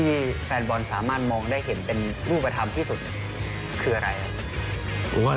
แฟนบอลสามารถมองได้เห็นเป็นรูปธรรมที่สุดคืออะไรครับ